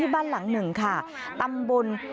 บ้านหลังหนึ่งค่ะตำบล